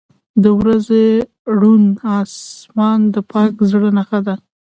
• د ورځې روڼ آسمان د پاک زړه نښه ده.